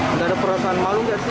tidak ada perasaan malu ya